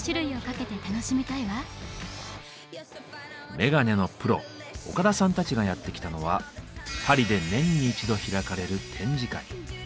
メガネのプロ岡田さんたちがやってきたのはパリで年に一度開かれる展示会。